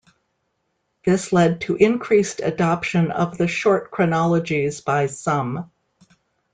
This led to increased adoption of the short chronologies by some.